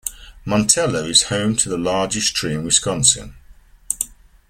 Montello is home to the largest tree in Wisconsin.